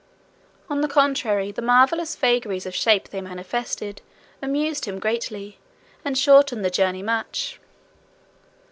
On the contrary, the marvellous vagaries of shape they manifested amused him greatly, and shortened the journey much.